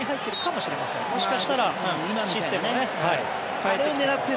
もしかしたらシステムを変えて。